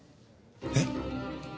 えっ？